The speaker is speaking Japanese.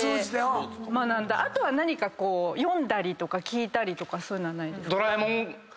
あとは何かこう読んだりとか聞いたりとかそういうのは？